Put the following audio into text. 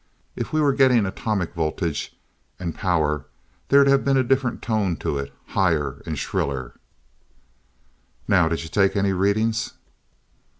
If we were getting atomic voltage and power there'd have been a different tone to it, high and shriller. "Now, did you take any readings?"